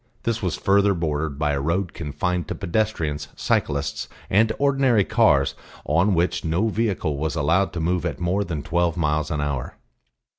This was further bordered by a road confined to pedestrians, cyclists and ordinary cars on which no vehicle was allowed to move at more than twelve miles an hour.